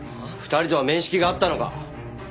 ２人とは面識があったのか？